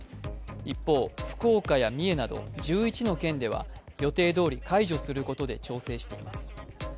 一方、福岡や三重など１１の県では予定通り解除することで調整しています。